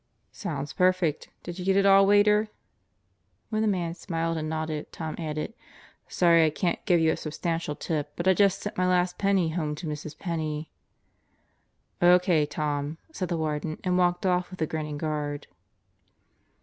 "Sounds perfect. Did you get it all, waiter?" When the man smiled and nodded, Tom added: "Sorry I can't give you a sub stantial tip, but I just sent my last penny home to Mrs. Penney." "O.K., Tom," said the Warden and walked off with the grinning guard.